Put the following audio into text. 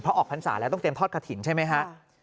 ออกพรรษาแล้วต้องเตรียมทอดกระถิ่นใช่ไหมฮะ